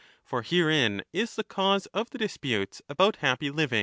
25 For herein is the cause of the disputes about happy living, 30 33 = E